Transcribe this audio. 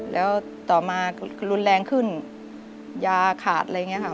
แล้วต่อมารุนแรงขึ้นยาขาดอะไรอย่างนี้ค่ะ